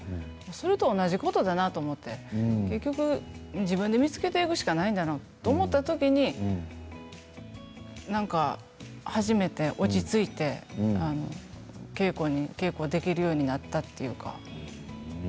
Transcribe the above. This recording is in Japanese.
それと同じことだなと思って結局、自分で見つけていくしかないんだなと思ったときに初めて落ち着いて稽古ができるようになったというか。